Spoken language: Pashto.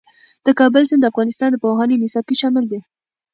د کابل سیند د افغانستان د پوهنې نصاب کې شامل دی.